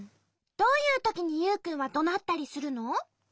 どういうときにユウくんはどなったりするの？